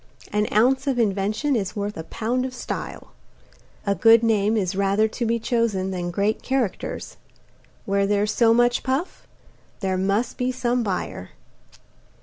An ounce of invention is worth a pound of style. A good name is rather to be chosen than great characters. Where there's so much puff, there must be some buyer.